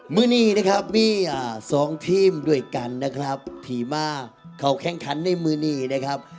มือนี้นะครับมีสองทีมด้วยกันนะครับผีม่าเขาแข่งขันในมือนี้นะครับ